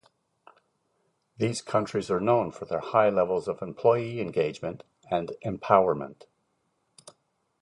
These countries are known for their high levels of employee engagement and empowerment.